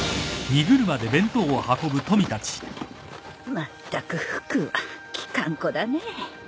まったくふくはきかん子だねえ。